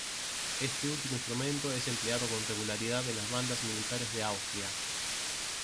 Este último instrumento es empleado con regularidad en el bandas militares de Austria".